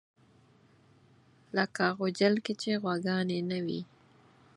لکه غوجل کې چې غواګانې نه وي.